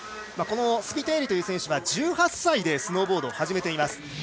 スピテーリという選手は１８歳でスノーボードを始めています。